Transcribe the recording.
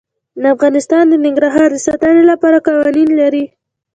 افغانستان د ننګرهار د ساتنې لپاره قوانین لري.